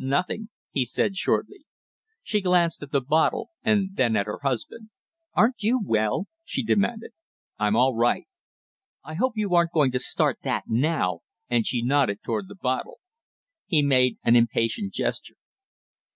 Nothing," he said shortly. She glanced at the bottle and then at her husband. "Aren't you well?" she demanded. "I'm all right." "I hope you aren't going to start that now!" and she nodded toward the bottle. He made an impatient gesture.